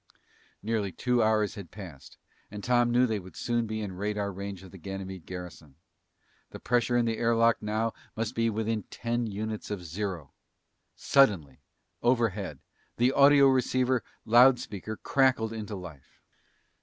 Nearly two hours had passed and Tom knew that they would soon be in radar range of the Ganymede garrison. The pressure in the air lock must now be within ten units of zero. Suddenly, overhead, the audioceiver loud speaker crackled into life.